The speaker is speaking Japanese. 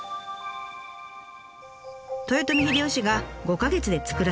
豊臣秀吉が５か月で造らせたお城。